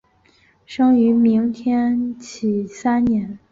生于明天启三年。